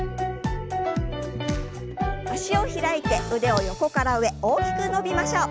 脚を開いて腕を横から上大きく伸びましょう。